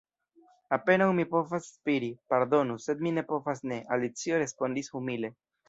"Apenaŭ mi povas spiri." "Pardonu, sed mi ne povas ne," Alicio respondis humile.